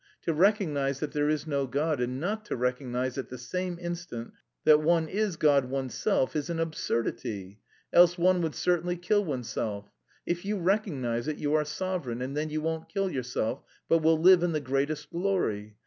To recognise that there is no God and not to recognise at the same instant that one is God oneself is an absurdity, else one would certainly kill oneself. If you recognise it you are sovereign, and then you won't kill yourself but will live in the greatest glory.